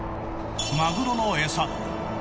マグロのエサだ。